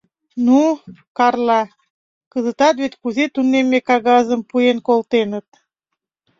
— Ну, Карла, кызытат вет кузе тунемме кагазым пуэн колтеныт?